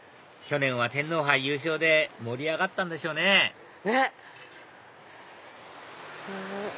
去年は天皇杯優勝で盛り上がったんでしょうねねっ。